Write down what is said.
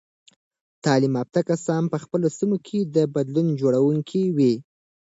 تعلیم یافته کسان په خپلو سیمو کې د بدلون جوړونکي وي.